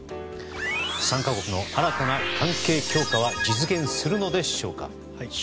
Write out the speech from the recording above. ３か国の新たな関係強化は実現するのでしょうか。